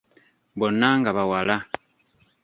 Bonna nga bawala.